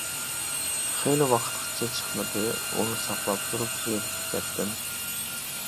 خېلى ۋاقىتقىچە چىقمىدى، ئۇنى ساقلاپ تۇرۇپ زېرىكىپ كەتتىم.